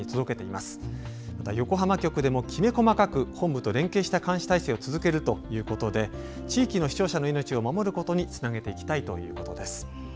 また、横浜局でもきめ細かく本部と連携した監視体制を続けるということで地域の視聴者の命を守ることにつなげていきたいということです。